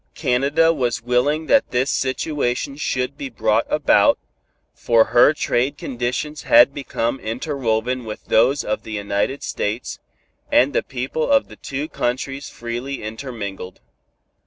Canada was willing that this situation should be brought about, for her trade conditions had become interwoven with those of the United States, and the people of the two countries freely intermingled.